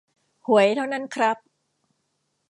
หวยเท่านั้นครับ